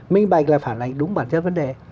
minh bạch là phản ánh đúng bản chất vấn đề